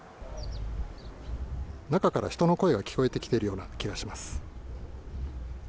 中から人の声が聞こえてきているような気がします。